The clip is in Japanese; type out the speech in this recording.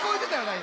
今。